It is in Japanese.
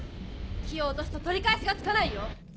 火を落とすと取り返しがつかないよ。